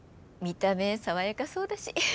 見た目爽やかそうだし。